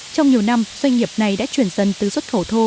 trong nhiều năm doanh nghiệp này đã chuyển dần từ xuất khẩu thô